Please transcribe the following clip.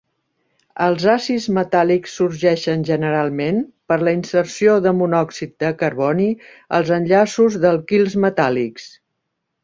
Els acils metàl·lics sorgeixen generalment per la inserció de monòxid de carboni als enllaços d'alquils metàl·lics.